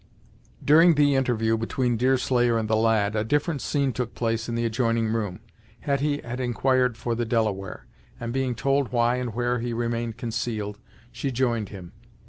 During the interview between Deerslayer and the lad, a different scene took place in the adjoining room. Hetty had inquired for the Delaware, and being told why and where he remained concealed, she joined him.